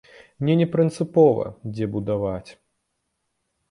Мне не прынцыпова, дзе будаваць.